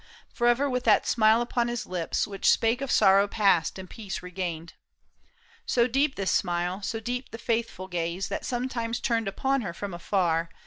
Forever with that smile upon his lips Which spake of sorrow past and peace regained. So deep this smile, so deep the faithful gaze That sometimes turned upon her from afar.